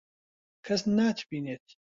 کەس ناتبینێت.